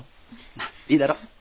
なあいいだろ？